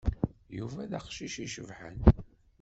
Yuba d aqcic icebḥen.